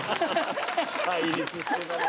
対立してたね。